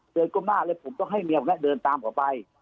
เดินตรงหน้าเลยผมก็ให้เมียผมเนี่ยเดินตามต่อไป